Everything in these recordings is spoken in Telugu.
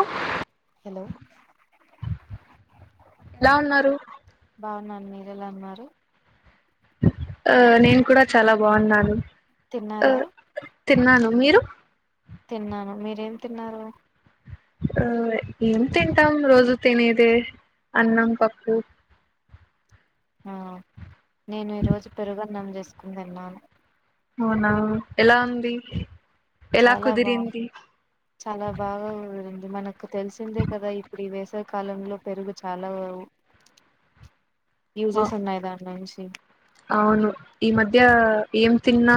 హ హలో ఎలా ఉన్నారు బాగున్నాను మీరు ఎలా ఉన్నారు ఆ నేను కూడా చాలా బావున్నాను ఆ తిన్నారా తిన్నాను మీరు తిన్నాను మీరేం తిన్నారు ఆ ఏం తింటాం రోజు తినేదే అన్నం పప్పు ఆ నేను ఈరోజు పెరుగన్నం చేసుకొని తిన్నాను అవునా ఎలా ఉంది ఎలా చాలా బా కుదిరింది చాలా బాగా కుదిరింది మనకు తెలిసిందే కదా ఇప్పుడు ఈ వేసవి కాలంలో పెరుగు చాలా ఆ యూజెస్ ఉన్నాయి దాని నుంచి అవును ఈ మధ్య ఏం తిన్న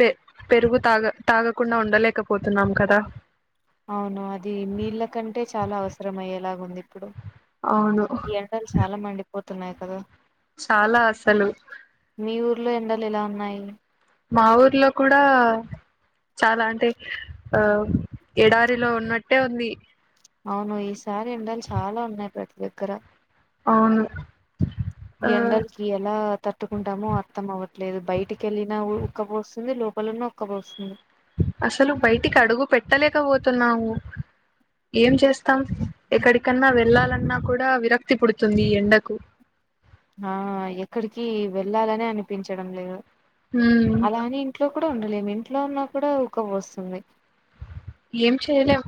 పె పెరుగు తాగ తాగకుండ ఉండలేకపోతున్నామ్ కద అవును అది నీళ్ళ కంటే చాలా అవసరం అయ్యేలా ఉంది ఇప్పుడు అవును ఈ ఎండలు చాల మండిపొతునయ్ కద చాల అస్సలు ఉర్లో ఎండలు ఎలా ఉన్నాయి మా ఊర్లో కూడా చాలా అంటే ఆ ఎడారిలో ఉన్నట్టే ఉంది అవును ఈసారి ఎండలు చాలా ఉన్నాయి ప్రతి దగ్గర అవును ఆ ఎండలకి ఎలా తట్టుకుంటామో అర్థం అవట్లేదు బయటిక వెళ్ళినా గు ఉక్కపోస్తుంది లోపల ఉన్న ఉక్కపోస్తుంది అసలు బయటికి అడుగు పెట్టలేకపవోతున్నాము ఏంచేస్తాం ఎక్కడికన్నా వెళ్ళాలన్నా కూడా విరక్తి పుడుతుంది ఈ ఎండకు [inaudible] ఆహ్ ఎక్కడికి వెళ్ళాలని అనిపించడం లేదు ఉమ్ అలాని ఇంట్లో కూ ఉండలేము ఇంట్లో ఉన్నా కూడా ఉక్క పోస్తుంది ఏం చేయలేం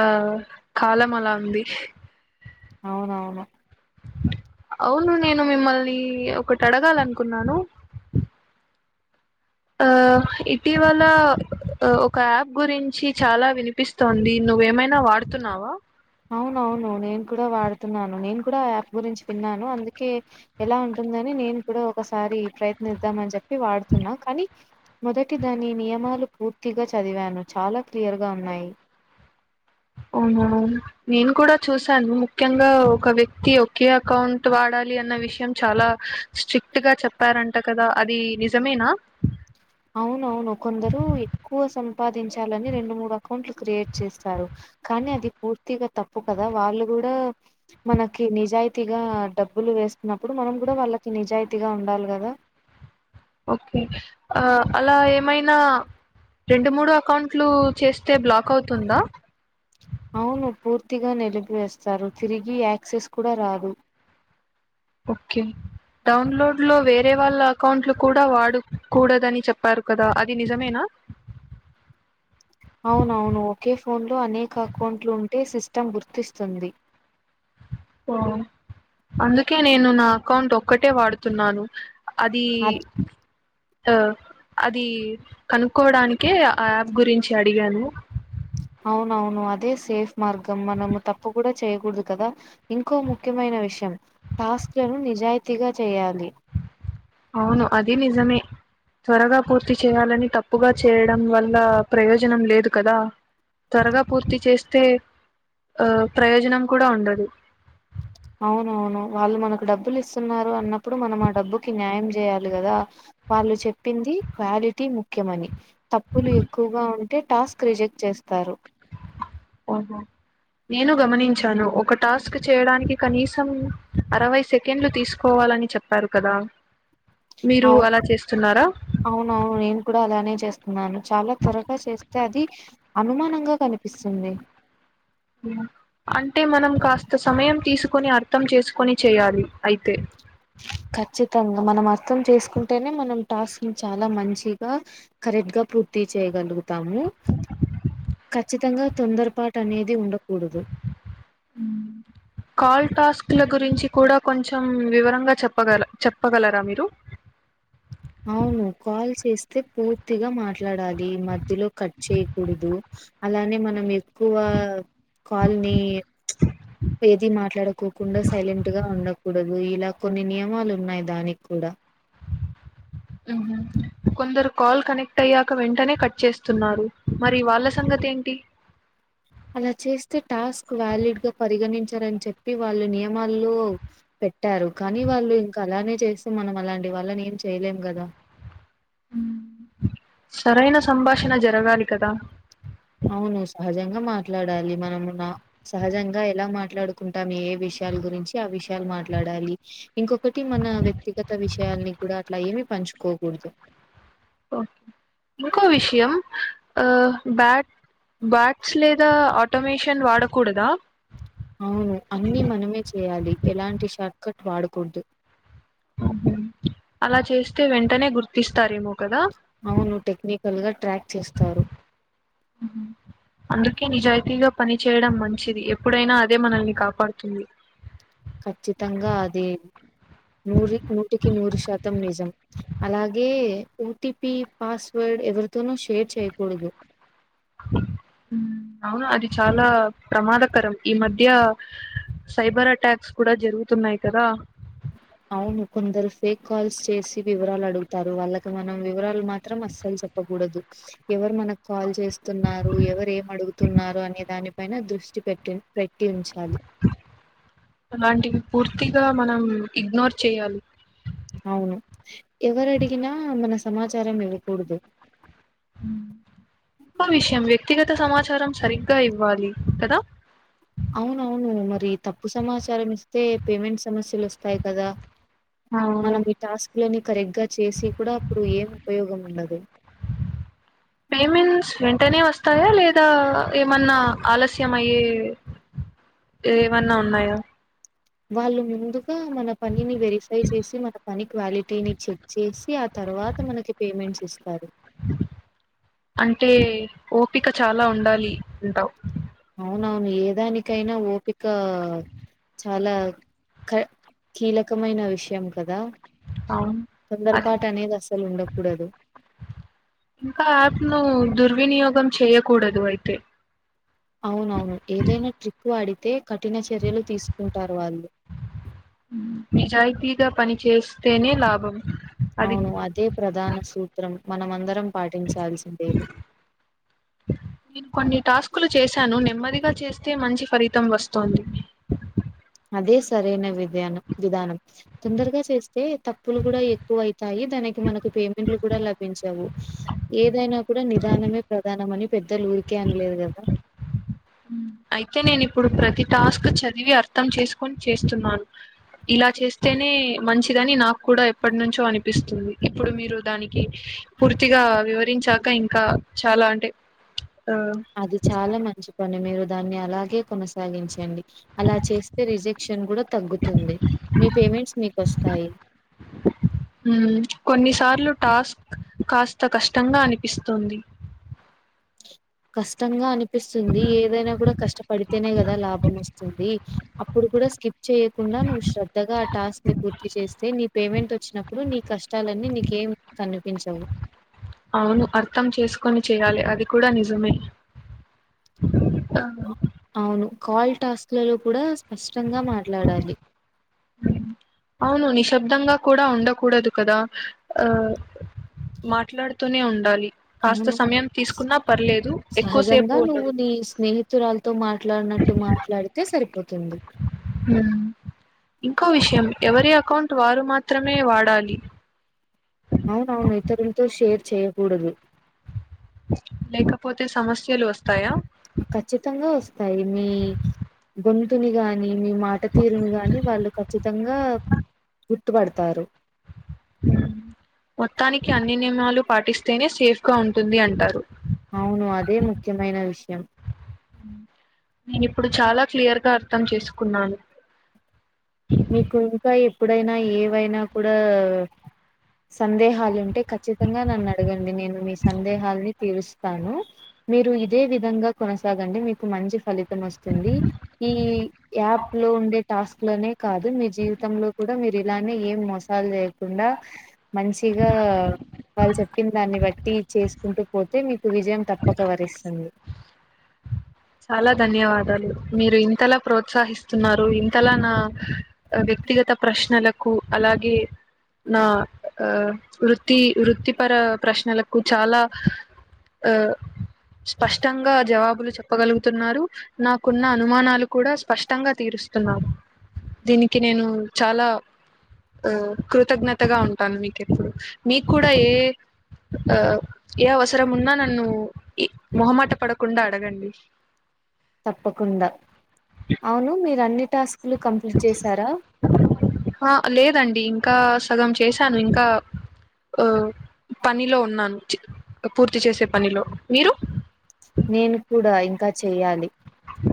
ఆహ్ కాలం అలా ఉంది అవునవును అవును నేను మిమ్మల్ని ఒకటి అడగాలనుకున్నాను ఆ ఇటివల ఒక యాప్ గురించి చాల వినిపిస్తుంది నువ్వేమైన వ వాడ్తున్నావ వ అవునవును నేన్ కూడ వాడుతున్నాను నేను కూడా యాప్ గురించి విన్నాను అందుకే ఎలా ఉంటుం దని నేన్ కూడా ఒకసారి ప్రయత్నిద్దామని చెప్పి వాడ్ న్నా కానీ మొదటి దాని నియమాలు పూర్తిగా చదివాను చాలా క్లియర్ గ ఉన్నాయ్ అవునవును కూడ చూసాను ముఖ్యంగా ఒక వ్యక్తి ఒకే అకౌంట్ వాడల్ ఏది విషయం చాల స్ట్రిక్ట్ గా చెప్పారంట కదా అది నిజమేన అవునవును కొందరు ఎక్కువ సంపాదించాలని రెండు మూడు అకౌంట్లు క్రియేట్ చేస్తారు కానీ అది పూర్తిగా తప్పు కద వాళ్ళు కూడ మనకి నిజాయితిగా డబ్బులు వేస్తున్నప్పుడు మనం కూడ వాళ్ళకి నిజాయితీగా ఉండాలి కద ఓకే ఆ అలా ఏమైనా రెండు మూడు అకౌంట్లు చెస్తె బ్లాక్ అవుతుందా ర్తిగా నిలిపివేస్తారు తిరిగి యాక్సెస్ కూడ రాదు ఓకే డౌన్లోడ్ లొ వేరే వాళ్ళ అకౌంట్లు కూడ వాడకొడదని చెప్పారు కదా అది నిజమేన [inaudible] అవునవును ఒకే ఫోన్లొ అనేక అకౌంట్లుంటే సిస్టమ్ గుర్తిస్తుంది ఓ అందుకె నేను నా అకౌంట్ ఒక్కటే వాడుతున్నాను అది అద్ అ అది కనుక్కోడానికే ఆ యాప్ గురించి అడిగాను అవునవును అదే సేఫ్ మార్గం మనము తప్పు కుడ్ చేయకూడదు కదా ఇంకొ ముఖ్యమైన విషయం టాస్కులని నిజాయితీగ చేయాలి అవును అది నిజమే త్వరగ పూర్తి చేయాలని తప్పుగా చేయడం వల్ల ప్రయోజనం లేదు కదా త్వరగా పూర్తి చేస్తే హ ప్రయోజనం కూడ ఉండదు అవునవును వాళ్ళు మనకు డబ్బులు ఇస్తున్నారు అన్నప్పుడు మనం ఆ డబ్బుకి న్యాయం చె. చెయాలి కదా వాళ్ళు చెప్పింది క్వాలిటి ముఖ్యమని తప్పులు ఎక్కువగా ఉన్. అంటే టాస్క్ రిజెక్ట్ చేస్తారు. అవును. నేను గమనించాను ఒక టాస్క్ చేయడానికి కనీసం అరవై సెకండ్లు తీసుకోవాలి లని చెప్పారు కదా మీరు అవు అలా చేస్తున్నారా అవునవును నేను కూడా అలానే చేస్తా నాను చాలా త్వరగా చేస్తే అది అనుమానంగా కనిపిస్తుంది కొన్ని అర్థం చేసుకొని చేయాలి అయితే. ఖచ్చితంగా మనం అర్థం చేసుకుంటేనే మనం టాస్క్ని చాలా మంచిగా కరెక్ట్గా పుర్. పూర్తి చేయగలుగుతాము. ఖచ్చితంగా తొందరపాటునేది ఉండకూడదు. కాల్ టాస్క్ల గురించి. కూడా కొంచెం వివరంగా చెప్పగల చెప్పగలరా మీరు. అవును కాల్ చేస్తే పూర్తిగా మాట్లాడాలి మధ్యలో కట్ చేయకూడదు. అలానే మనం ఎక్కువ కాల్ని. ఏది మాట్లాడకోకుండా సైలెంటుగా ఉండ. కూడదు ఇలా కొన్ని నియమాలున్నాయి దానికి కూడా. ఉమ్మ్ కొందరు. కాల్ కనెక్ట్ అయ్యాక వెంటనే కట్ చేస్తున్నారు మరి వాళ్ళ సంగతేంటి. అలా చేస్తే టాస్క్ వ్యాలిడ్గా పరిగణించారని చెప్పి వాళ్ళు నియమాల్లో పెడ్. ట్టారు కానీ వాళ్ళు ఇంకాలానే చేస్తే మనం అలాంటి వాళ్ళని ఏం చేయలేం గదా. ఉమ్మ్ సరైన సంభాషణ జేరగాలి కదా. అవును సహజంగా మాట్లాడాలి మనము సహజంగా ఎలా మాట్లాడుకుంటాం ఏఎ విషయాల గురించి ఆ విషయాలు. మాట్లాడాలి ఇంకొకటి మన వ్యక్తిగత విషయాలని కూడా అట్లా ఏమి పంచుకోకూడదు. ఓహో ఇంకో విషయం. ఆహ్ బ్యాట్ బట్స్ లేదా ఆటోమేషన్ వాడకూడదా. అవును అన్నీ మనమే చేయాలి ఎలాంటి షార్ట్కట్ వాడకూడదు. అలా చేస్తే వెంటనే గుర్తిస్తారేమో కదా. అవును టెక్నికల్గా ట్రాక్ చేస్తారు. మ్మ్ మ్మ్. అందుకే నిజాయితీగా పనిచేయడం మంచిది ఎప్పుడైనా అదే మనల్ని కాపాడుతుంది. ఖచ్చితంగా అదే. నూరీకి నూటికి నూరు శాతం నిజం అలాగే ఓటిపి పాస్వర్డ్. ఎవరితోనూ షేర్ చేయకూడదు. ఉమ్మ్ అవునా అది చాలా ప్రమాదకరం ఈ మధ్యా. సైబర్ అటాక్స్ కూడా జరుగుతున్నాయి కదా. అవును కొందరు ఫేక్ కాల్స్ చేసి వివరాలు అడుగుతారు వాళ్ళకు మనం వివరాలు మాత్రం అస్సలు. చెప్పకూడదు ఎవరు మనకు కాల్. చేస్తున్నారు ఎవరు ఏం అడుగుతున్నారు అనే దాని పైన దృష్టి పెట్టి పెట్. అలాంటివి పూర్తిగా మనం ఇగ్నోర్ చేయాలి. అవును ఎవరడిగినా మన సమాచారం ఇవ్వకూడదు. ఇంకో విషయం వ్యక్తిగత. అంత సమాచారం సరిగ్గా ఇవ్వాలి కదా. అవునవును మరి తప్పు సమాచారం ఇస్తే పేమెంట్ సమస్యలు ఓస్తాయి కదా. అవును మనం ఈ టాస్క్లని కరెక్ట్ గా చేసి కూడా అప్పుడు ఏం ఉపయోగం ఉండదు. పేమెంట్స్. వెంటనే వస్తాయా లేదా ఏమన్నా ఆలస్యం అయ్యే. ఏమన్నా ఉన్నాయా. వాళ్ళు ముందుగా మన పనిని వెరిఫై చేసి మన పని క్వాలిటీని చెక్ చేసి ఆ త ర్వాత మనకి పేమెంట్స్ ఇస్తారు అంటే ఓపిక చాలా ఉండాలి అంటావ్ అవునవును ఏదానికైనా ఓపిక చాలా ఖ కీలకమైన విషయం కదా. అవును అది తొందరపాటునేది అసలు ఉండకూడదు. ఇంకా యాప్ నూ దుర్వినియోగం చేయకూడదు అయితే. అవునవును ఏదైనా ట్రిక్ వాడి. కఠిన చర్యలు తీసుకుంటారు వాళ్ళు నిజాయితీగా పని చేస్స్తేనే లాభం అది అవును అదే ప్రధాన సూత్రం మనమందరం పాటించాల్సిందే ఇది నేన్ కొన్ని టాస్కులు చేశాను నెమ్మదిగా చేస్తే మంచి ఫలితం వస్తోంది అదే సరైన విధ్యానం విధానం తొందరగా చేస్తే తప్పులు గుడా ఎక్కువైతాయి దానికి మనకు పేమెంట్లు కూడా లభించవు ఏదైనా కూడా నిదానమే ప్రధానమని పెద్దలు ఊరికే అన్లేదు గదా అయితే నేన్ ఇప్పుడు ప్రతి టాస్క్ చదివి అర్థం చేసుకొని చేస్తున్నాను ఇలా చేస్తేనే మంచిదని నాక్ కూడా ఎప్పటి నుంచో అనిపిస్తుంది ఇప్పుడు మీరు దానికి పూర్తిగా వివరిన్ చాక ఇంకా చాలా అంటె అది చాల మంచి పని మీరు దాన్ని అలాగే కొనసాగించండి అలా చేస్తే రిజెక్షన్ గుడా తగ్గుతుంది మీ పేమెంట్స్ మీక్కోస్తాయి ఉమ్ కొన్నిస టాస్క్ కాస్త కష్టంగా అనిపిస్తుంది కష్టంగా అనిపిస్తుంది ఏదైనా కూడా కష్టపడితేనే గదా లాభం ఓస్తుంది అప్పుడు కుడ స్కిప్ చేయకుండా నువ్వు శ్రద్దగా ఆ టాస్క్ ని పూర్తి చేస్తే నీ పేమెంట్ వచ్చినప్పుడు నీ కష్ట ట్టాలన్నీ నీకేం కనిపించవు అవును అర్థం చేసుకొని చేయాలె అది కూడా నిజమే ఆ అ అవును కాల్ టాస్క్లలో కుడా స్పష్టంగా మాట్లాడాలి ఉమ్. అవును నిశ్శబ్దంగా కూడా ఉండకూడదు కదా ఆహ్ మాట్లాడుతూనే ఉండాలి కాస్త అవును. సమయం తీసుకున్నా పర్లేదు ఎక్కువసేపు ఉండదు మీ స్నేహితురాలతో మాట్లాడినట్టు మాట్లాడితే సరిపో ఉమ్ ఇంకో విషయం ఎవరి అకౌంట్ వారు మాత్రమే వాడాలి అవునవును ఇతరులతో షేర్ చేయకూడదు లేకపోతే సమస్యలు వస్ ఖచ్చితంగా ఓస్తాయి మీ గున్ తుని గాని మీ మాట తీరుని గాని వాళ్ళు ఖచ్చితంగా గుర్తుపడ్తారూ ఉం మొత్తానికి అన్ని నియమాలు పాటిస్తేనే సేఫ్ గా ఉంటుంది అంటారు అవును అదే ముఖ్యమైన విషయం నేను ఇప్పుడు చాలా క్లియర్గా అర్థం చేసుకున్నాను మీకు ఇంకా ఎప్పుడైనా ఏవైనా కుడా సందేహాలు ఉంటే ఖచ్చితంగా నన్ను అడగండి నేను మీ సందేహాలని తీరుస్త తాను మీరు ఇదే విధంగ కొనసాగండి మీకు మంచి ఫలి తం ఓస్తుంది ఈ యాప్ లో ఉండే టాస్క్ లనే కాదు మీ జీవితంలో కుడ మీరు ఇలానే ఏం మోసాలు చేయకుండా మంచిగా వాళ్ చెప్ చెప్పిందాన్ని బట్టి చేసుకుంటు పోతే మీకు విజయం తప్పక వరిస్తుంది చాలా ధన్యవాదాలు మీరు ఇంతలా ప్రోత్సాహిస్తున్నారు ఇంతలా నా వ్యక్తిగత ప్రశ్నల కు అలాగే నా అ వృత్తి వృత్తిపర ప్రశ్నలకు చాలా అ స్పష్టంగా జవాబులు చెప్ ఆలుగుతున్నారు నాకున్న అనుమానాలు కూడా స్పష్టంగా తీరుస్తున్నారు దీనికి నేను చాలా ఆ కృతజ్ఞతగా ఉంటాను మీకెప్పుడు మీకు కూడా ఏ ఆ ఏ అవసరమున్నా నన్ను ఈ మొహమాట పడకుండా అడగండి తప్పకుండా అవును మీరు అన్ని టాస్కులు కంప్లీట్ చేశారా హ లేదండి ఇంకాస్ సగం చేశాను ఇంకా ఆ పనిలో ఉన్నాను పూర్తి చేసే పనిలో మీరు నేను కూడా ఇంకా చెయ్యాలి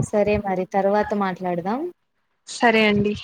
సరే మరి తర్వాత మాట్లాడదాం సరే అండి